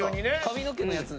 髪の毛のやつ。